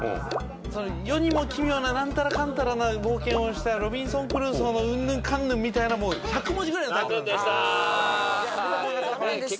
世にも奇妙な何たらかんたらな冒険をしたロビンソン・クルーソーのうんぬんかんぬんみたいな１００文字ぐらいのタイトル。